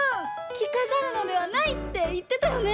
「きかざるのではない」っていってたよね。